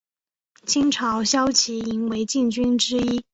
清朝骁骑营为禁军之一。